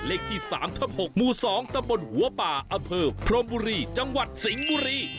เลขที่๓ทับ๖หมู่๒ตำบลหัวป่าอำเภอพรมบุรีจังหวัดสิงห์บุรี